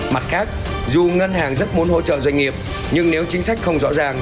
mặt khác dù ngân hàng rất muốn hỗ trợ doanh nghiệp nhưng nếu chính sách không rõ ràng